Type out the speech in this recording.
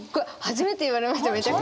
初めて言われました。